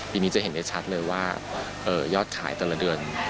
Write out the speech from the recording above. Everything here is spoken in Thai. ปีนี้จะเห็นได้ชัดเลยว่ายอดขายแต่ละเดือน